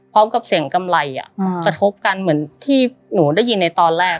พร้อมกับเสียงกำไรกระทบกันเหมือนที่หนูได้ยินในตอนแรก